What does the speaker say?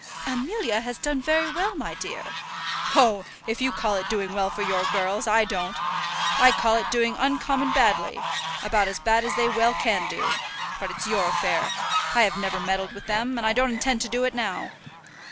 "Amelia has done very well, my dear." "Oh, if you call it doing well for your girls, I don't. I call it doing uncommon badly; about as bad as they well can do. But it's your affair. I have never meddled with them, and don't intend to do it now."